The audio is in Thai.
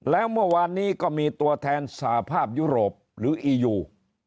แล้วเมื่อวานนี้ก็มีตัวแทนสาภาพยุโรปหรืออียู